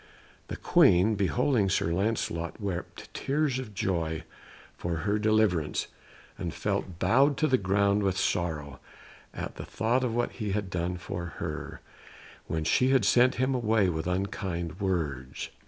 The Queen, beholding Sir Lancelot, wept tears of joy for her deliverance, and felt bowed to the ground with sorrow at the thought of what he had done for her, when she had sent him away with unkind words.